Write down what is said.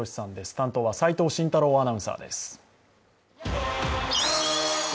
担当は齋藤慎太郎アナウンサーです。